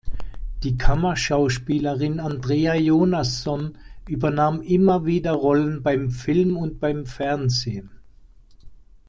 Die Kammerschauspielerin Andrea Jonasson übernahm immer wieder Rollen beim Film und beim Fernsehen.